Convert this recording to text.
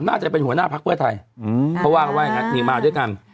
น่าจะเป็นหัวหน้าพักเพื่อไทยเขาว่ากันว่าอย่างนั้นนี่มาด้วยกัน